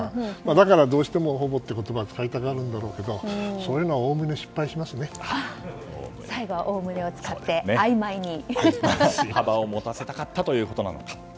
だからどうしても「ほぼ」という言葉を使いたがるんだろうけどそういうのは最後は「おおむね」を使って幅を持たせたかったということなのか。